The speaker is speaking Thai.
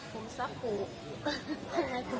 คุณสับผูอ